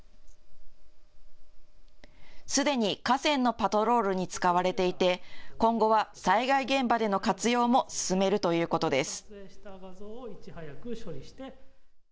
すでに河川のパトロールに使われていて今後は災害現場での活用も進めるということです。